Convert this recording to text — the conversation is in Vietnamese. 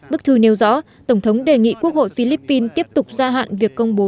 bức thư nêu rõ tổng thống đề nghị quốc hội philippines tiếp tục gia hạn việc công bố